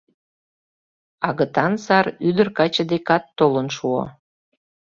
Агытан сар ӱдыр-каче декат толын шуо.